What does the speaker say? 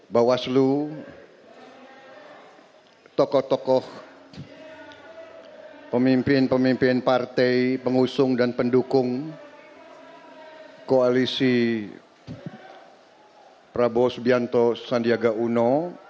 bawaslu tokoh tokoh pemimpin pemimpin partai pengusung dan pendukung koalisi prabowo subianto sandiaga uno